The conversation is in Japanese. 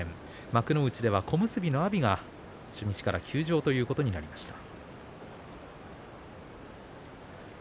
幕内では小結の阿炎が初日から休場ということになりました。